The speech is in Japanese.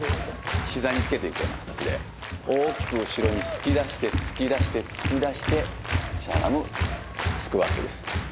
膝につけていくような形で大きく後ろに突き出して突き出して突き出してしゃがむスクワットです。